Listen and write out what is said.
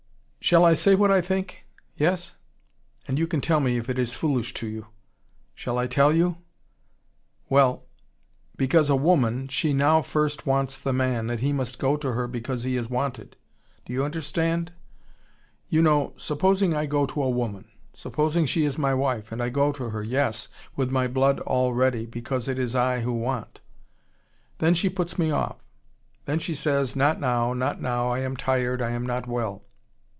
"Shall I say what I think? Yes? And you can tell me if it is foolish to you. Shall I tell you? Well. Because a woman, she now first wants the man, and he must go to her because he is wanted. Do you understand? You know supposing I go to a woman supposing she is my wife and I go to her, yes, with my blood all ready, because it is I who want. Then she puts me off. Then she says, not now, not now, I am tired, I am not well.